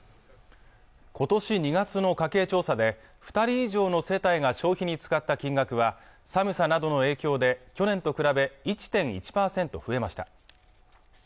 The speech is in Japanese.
今年２月の家計調査で２人以上の世帯が消費に使った金額は寒さなどの影響で去年と比べ１．１％増えました